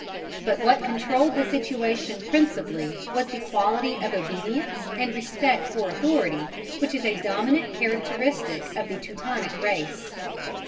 But what controlled the situation principally was the quality of obedience and respect for authority which is a dominant characteristic of the Teutonic race.